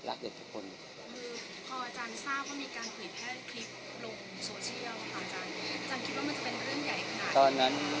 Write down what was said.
อาจารย์คิดว่ามันจะเป็นเรื่องใหญ่ขนาดนั้น